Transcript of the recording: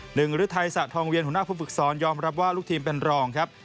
หนึ่งฤทัยสะทองเวียนหัวหน้าผู้ฝึกสอนยอมรับว่าลูกทีมเป็นรองครับ